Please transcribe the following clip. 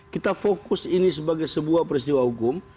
kita fokus ini sebagai sebuah peristiwa hukum